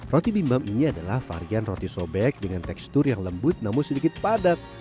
roti bimbam ini adalah varian roti sobek dengan tekstur yang lembut namun sedikit padat